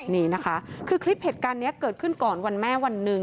นี่นะคะคือคลิปเหตุการณ์นี้เกิดขึ้นก่อนวันแม่วันหนึ่ง